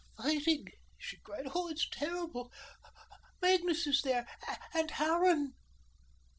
"Fighting," she cried, "oh, oh, it's terrible. Magnus is there and Harran."